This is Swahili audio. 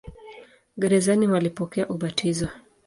Gerezani walipokea ubatizo.